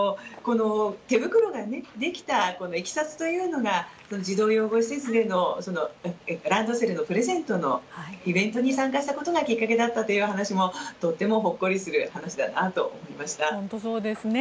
手袋ができたいきさつというのが児童養護施設でのランドセルのプレゼントのイベントに参加したことがきっかけだったというお話もとってもほっこりする話だなと思いました。